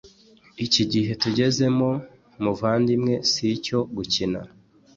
iki gihe tugezemo, muvandimwe sicyo gukina